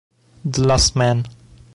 The Last Man